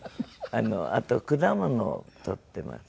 あと果物をとってます。